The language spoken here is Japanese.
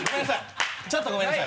ちょっとごめんなさい